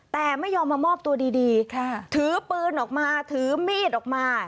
แต่ไม่ยอมมามอบตัวดีถือปืนออกมาถือมีดออกมา